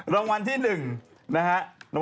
รางวัลที่หนึ่งนะครับ